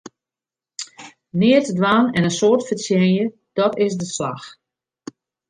Neat dwaan en in soad fertsjinje, dàt is de slach!